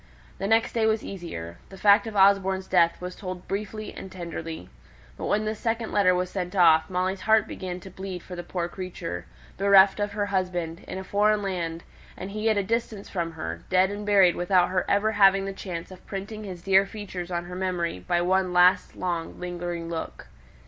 The next day was easier; the fact of Osborne's death was told briefly and tenderly. But when this second letter was sent off, Molly's heart began to bleed for the poor creature, bereft of her husband, in a foreign land, and he at a distance from her, dead and buried without her ever having had the chance of printing his dear features on her memory by one last long lingering look.